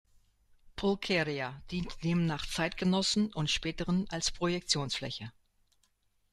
Pulcheria diente demnach Zeitgenossen und Späteren als Projektionsfläche.